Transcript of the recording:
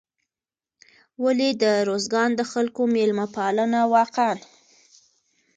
ولې د روزګان د خلکو میلمه پالنه واقعا